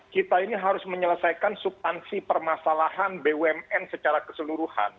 kita ini harus menyelesaikan subtansi permasalahan bumn secara keseluruhan